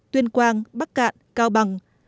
tuyên quang bắc cạn cao bằng